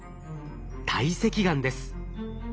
堆積岩です。